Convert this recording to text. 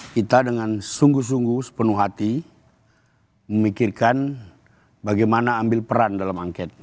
kita dengan sungguh sungguh sepenuh hati memikirkan bagaimana ambil peran dalam angket